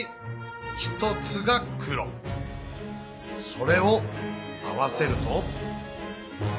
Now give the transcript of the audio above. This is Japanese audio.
それを合わせると。